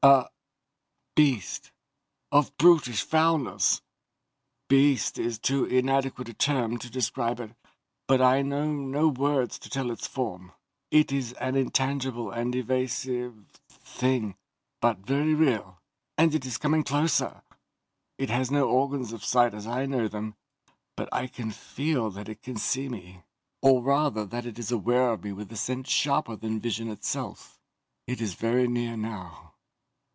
"A beast of brutish foulness! Beast is too inadequate a term to describe it, but I know no words to tell its form. It is an intangible and evasive thing but very real. And it is coming closer! It has no organs of sight as I know them, but I feel that it can see me. Or rather that it is aware of me with a sense sharper than vision itself. It is very near now.